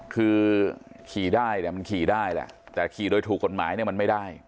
คือขี่ได้เนี่ยมันขี่ได้แหละแต่ขี่โดยถูกกฎหมายเนี่ยมันไม่ได้